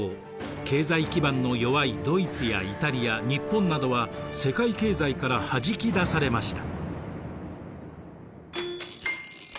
経済基盤の弱いドイツやイタリア日本などは世界経済からはじき出されました。